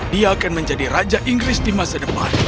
dia akan menjadi raja inggris di masa depan